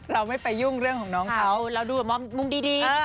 เราไม่ไปยุ่งเรื่องของน้องเขาเราดูแบบมุมดี